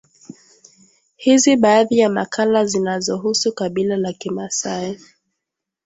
Hizi baadhi ya makala zinazohusu kabila la kimaasai